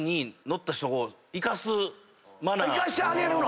行かしてあげるの？